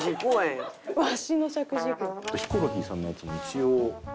ヒコロヒーさんのやつも一応。